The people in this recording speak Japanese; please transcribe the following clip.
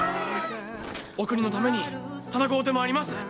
お国のために戦うてまいります！